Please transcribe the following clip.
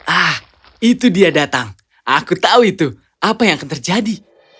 ah itu dia datang aku tahu itu apa yang akan terjadi